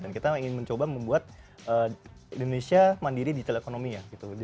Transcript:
dan kita ingin mencoba membuat indonesia mandiri digital economy ya gitu